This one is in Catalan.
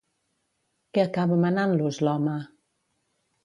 Què acaba manant-los, l'home?